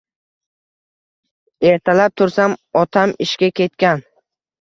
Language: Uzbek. Ertalab tursam, otam ishga ketgan.